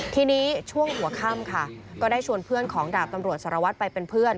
ทีนี้ช่วงหัวค่ำค่ะก็ได้ชวนเพื่อนของดาบตำรวจสารวัตรไปเป็นเพื่อน